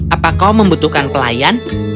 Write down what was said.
apa kau membutuhkan pelayan